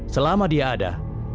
selama dia ada